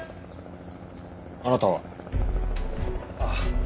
あなたは？ああ。